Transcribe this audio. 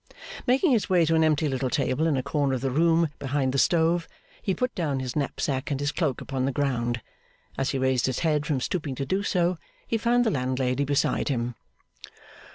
Making his way to an empty little table in a corner of the room behind the stove, he put down his knapsack and his cloak upon the ground. As he raised his head from stooping to do so, he found the landlady beside him.